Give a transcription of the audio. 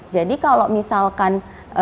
jadi kalau misalkan